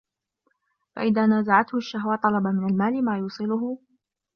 فَإِذَا نَازَعَتْهُ الشَّهْوَةُ طَلَبَ مِنْ الْمَالِ مَا يُوَصِّلُهُ